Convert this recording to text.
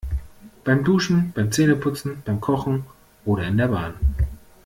Beim Duschen, beim Zähneputzen, beim Kochen oder in der Bahn.